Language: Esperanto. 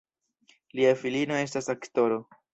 Lia filino estas aktoro.